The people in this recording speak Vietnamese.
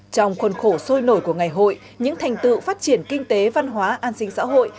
trong khuôn khổ sôi nổi của ngày hội những thành tựu phát triển kinh tế văn hóa an sinh xã hội